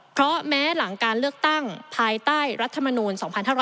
เพราะแม้หลังการเลือกตั้งภายใต้รัฐมนูล๒๕๖๐